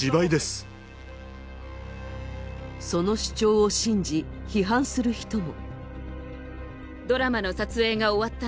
その主張を信じ、批判する人も。